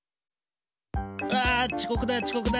うわちこくだちこくだ！